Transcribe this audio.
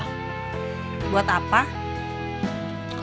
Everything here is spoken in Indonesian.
tunggu aku mau cari pinjeman yang mana mana